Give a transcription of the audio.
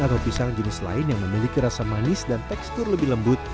atau pisang jenis lain yang memiliki rasa manis dan tekstur lebih lembut